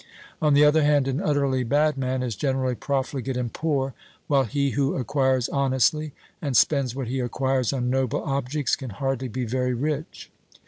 On the other hand, an utterly bad man is generally profligate and poor, while he who acquires honestly, and spends what he acquires on noble objects, can hardly be very rich.